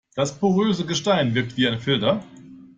Das poröse Gestein wirkt wie ein Filter.